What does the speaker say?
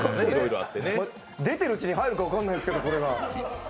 出ているうちに入るか分からないですけど、これが。